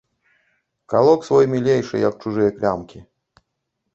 Калок свой мілейшы, як чужыя клямкі.